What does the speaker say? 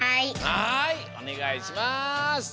はいおねがいします。